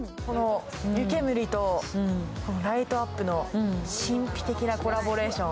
湯けむりとライトアップの神秘的なコラボレーション。